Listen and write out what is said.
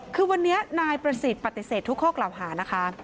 คือวันนี้นายประสิทธิ์ปฏิเสธทุกข้อกล่าวหานะคะ